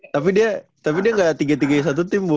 tapi dia tapi dia nggak tiga tiganya satu tim bu